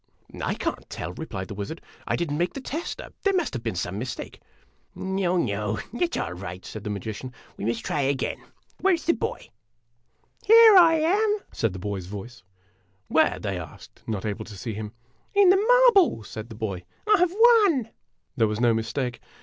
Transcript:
"I can't tell," replied the wizard; "I did n't make the tester; there must have been some mistake." " Oh, no ; it 's all right," said the magician ;" we must try again. Where 's the boy ?" "BOTH DID THEIR BEST TO GET INSIDE.' " Here I am !" said the boy's voice. "Where? " they asked, not able to see him. "In the marble," said the boy. " I Ve won !' There was no mistake.